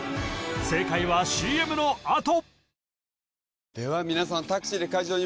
正解はＣＭのあと！